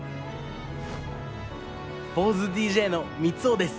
坊主ＤＪの三生です。